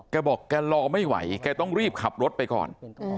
แกบอกแกรอไม่ไหวแกต้องรีบขับรถไปก่อน